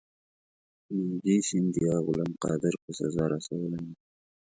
مهاجي سیندیا غلام قادر په سزا رسولی دی.